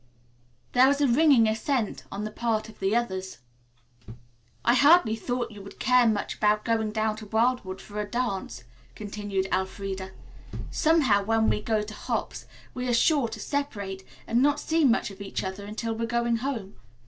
There was a ringing assent on the part of the others. "I hardly thought you would care much about going down to Wildwood for a dance," continued Elfreda. "Somehow when we go to hops we are sure to separate and not see much of each other until we're going home.